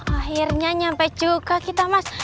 akhirnya nyampe juga kita mas